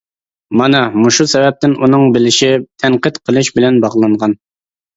مانا مۇشۇ سەۋەبتىن ئۇنىڭ بىلىشى تەنقىد قىلىش بىلەن باغلانغان.